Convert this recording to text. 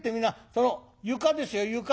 その床ですよ床。